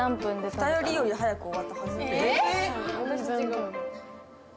２人より早く終わったはず。